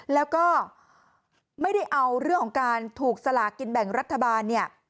แล้วก็ไม่ได้เอาเรื่องของการถูกสลากินแบ่งรัฐบาลเนี่ย